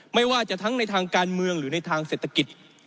ไม่ว่าจะทั้งในทางการเมืองหรือในทางเศรษฐกิจ